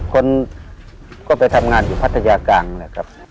คนก็ไปทำงานอยู่พัทยากลางนะครับ